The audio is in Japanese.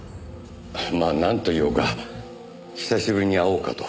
まあなんといおうか久しぶりに会おうかと。